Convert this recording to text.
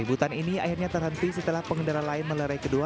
ributan ini akhirnya terhenti setelah pengendara lain melerai keduanya